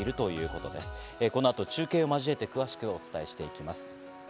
このあと中継を交えて詳しくお伝えしていきます。